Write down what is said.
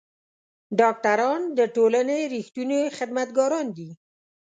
ډاکټران د ټولنې رښتوني خدمتګاران دي.